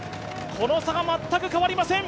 この差が全く変わりません。